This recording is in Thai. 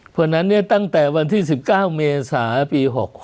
เพราะฉะนั้นตั้งแต่วันที่๑๙เมษาปี๖๖